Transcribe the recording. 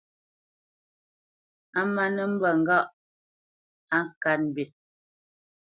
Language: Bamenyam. A má nə́ mbe ŋgâʼ á kát mbî.